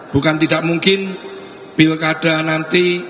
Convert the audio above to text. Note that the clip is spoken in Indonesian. bukan tidak mungkin pilkada nanti